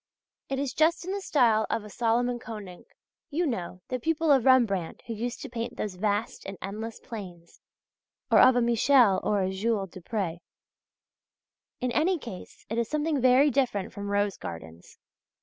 It is just in the style of a Salomon Konink you know, the pupil of Rembrandt who used to paint those vast and endless plains or of a Michel or a Jules Dupré. In any case it is something very different from rose gardens.